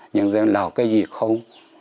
những dân lào cái gì không